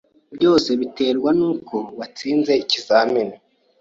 Byose biterwa nuko watsinze ikizamini.